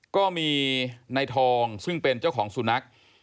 ก็มีนายทองซึ่งเป็นเจ้าของสุนัข